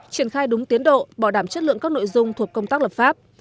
triển khai đúng tiến độ bảo đảm chất lượng các nội dung thuộc công tác lập pháp